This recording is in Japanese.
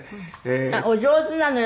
あっお上手なのよ。